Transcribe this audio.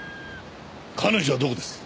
彼女はどこです？